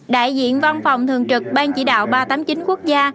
đại diện văn phòng thường trực ban chỉ đạo ba trăm tám mươi chín quốc gia